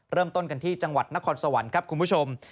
เริ่มต้นกันที่จังหวัดนครสวรรค์ครับคุณผู้ชม